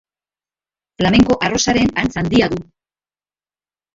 Flamenko arrosaren antz handia du.